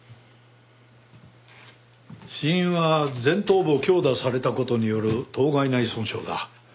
死因は前頭部を強打された事による頭蓋内損傷だ。